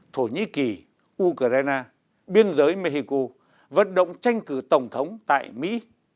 thổ nhĩ kỳ ukraine biên giới mexico vận động tranh cử tổng thống tại mỹ